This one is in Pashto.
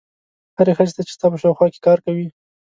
هرې ښځې ته چې ستا په شاوخوا کې کار کوي.